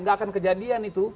gak akan kejadian itu